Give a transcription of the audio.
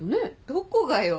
どこがよ。